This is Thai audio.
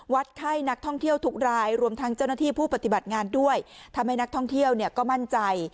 ไข้นักท่องเที่ยวทุกรายรวมทั้งเจ้าหน้าที่ผู้ปฏิบัติงานด้วยทำให้นักท่องเที่ยวเนี่ยก็มั่นใจ